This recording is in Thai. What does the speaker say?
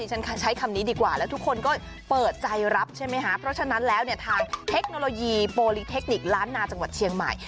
ใช้คำนี้ดีกว่าแล้วทุกคนก็เปิดใจรับใช่ไหมคะเพราะฉะนั้นแล้วเนี่ยทางเทคโนโลยีโปรลิเทคนิคล้านนาจังหวัดเชียงใหม่